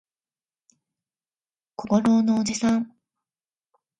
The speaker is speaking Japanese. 小五郎のおじさん